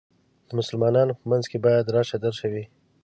د مسلمانانو په منځ کې باید راشه درشه وي.